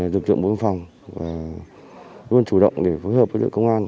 dụng dụng bộ phòng luôn chủ động để phối hợp với lực công an